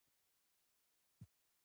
او حقایقو ته رسیدل